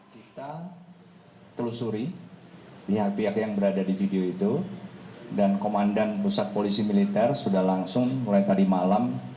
kita telusuri pihak pihak yang berada di video itu dan komandan pusat polisi militer sudah langsung mulai tadi malam